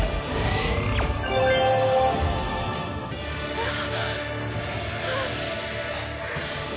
あっ！